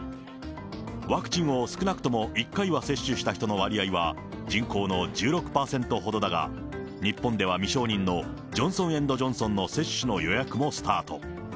ワクチンを少なくとも１回は接種した人の割合は人口の１６％ほどだが、日本では未承認のジョンソン・エンド・ジョンソンの接種の予約もスタート。